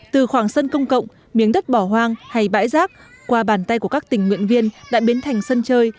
từ khoảng sân công cộng miếng đất bỏ hoang hay bãi rác qua bàn tay của các tình nguyện viên đã biến thành sân chơi